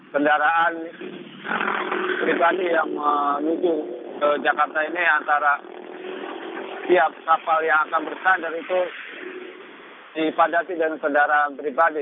kendaraan pribadi yang menunggu ke jakarta ini antara tiap kapal yang akan bersandar itu dipadati dengan kendaraan pribadi